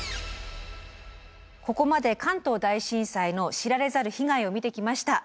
ここまで関東大震災の知られざる被害を見てきました。